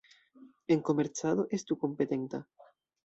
En komercado, estu kompetenta.